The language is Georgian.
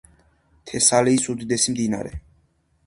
თესალიის უდიდესი მდინარე.